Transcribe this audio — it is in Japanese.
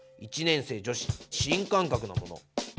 １年生女子新感覚のもの。